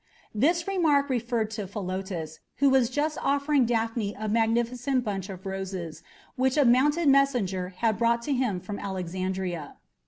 This remark referred to Philotas, who was just offering Daphne a magnificent bunch of roses, which a mounted messenger had brought to him from Alexandria.